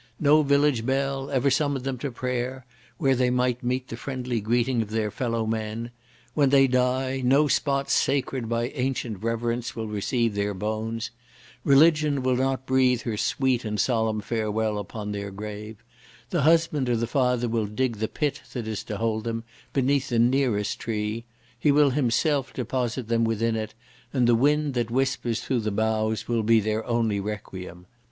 No village bell ever summoned them to prayer, where they might meet the friendly greeting of their fellow men. When they die, no spot sacred by ancient reverence will receive their bones—Religion will not breathe her sweet and solemn farewell upon their grave; the husband or the father will dig the pit that is to hold them, beneath the nearest tree; he will himself deposit them within it, and the wind that whispers through the boughs will be their only requiem.